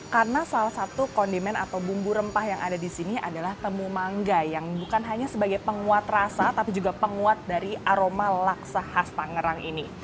karena salah satu kondimen atau bumbu rempah yang ada disini adalah temu mangga yang bukan hanya sebagai penguat rasa tapi juga penguat dari aroma laksa khas tanggerang ini